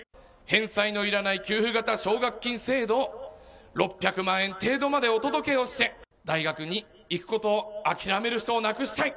返済のいらない給付型奨学金制度を６００万円程度までお届けをして大学に行くことを諦める人をなくしたい。